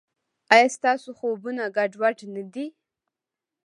ایا ستاسو خوبونه ګډوډ نه دي؟